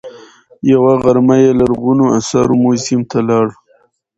یوه غرمه یې لرغونو اثارو موزیم ته لاړ.